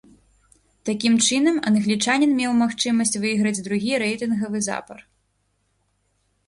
Такім чынам, англічанін меў магчымасць выйграць другі рэйтынгавы запар.